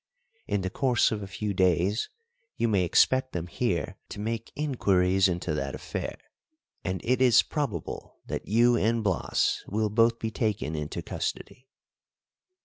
In the course of a few days you may expect them here to make inquiries into that affair, and it is probable that you and Blas will both be taken into custody."